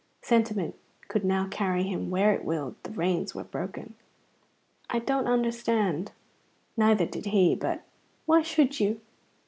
Sentiment could now carry him where it willed. The reins were broken. "I don't understand." Neither did he; but, "Why should you?